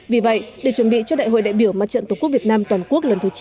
vì vậy để chuẩn bị cho đại hội đại biểu mặt trận tổ quốc việt nam toàn quốc lần thứ chín